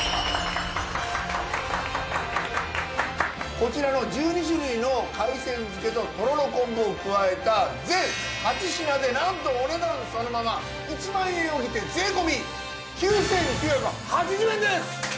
こちらの１２種類の海鮮漬ととろろ昆布を加えた全８品でなんとお値段そのまま１万円を切って税込。